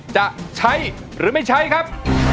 จะใช้หรือไม่ใช้ครับ